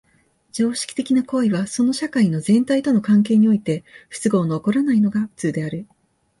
常識的な行為はその社会の全体との関係において不都合の起こらないのが普通である。